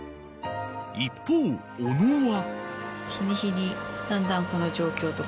［一方小野は］